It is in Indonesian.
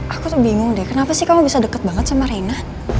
aku tuh bingung deh kenapa sih kamu bisa deket banget sama reina